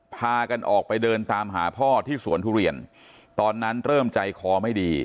พากันออกไปเดินตามหาพ่อที่สวนทุเรียนตอนนั้นเริ่มใจคอไม่ดี